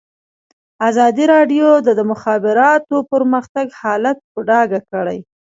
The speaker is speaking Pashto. ازادي راډیو د د مخابراتو پرمختګ حالت په ډاګه کړی.